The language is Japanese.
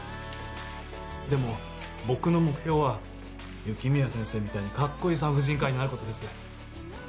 でも、僕の目標は雪宮先生みたいにかっこいい産婦人科医になることです。